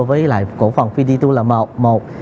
với cổ phần fiditur là một